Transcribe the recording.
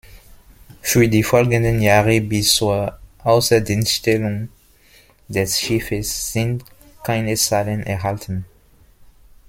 Für die folgenden Jahre bis zur Außerdienststellung des Schiffes sind keine Zahlen erhalten.